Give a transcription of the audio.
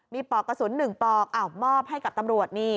มีปอกกระสุน๑ปลอกมอบให้กับตำรวจนี่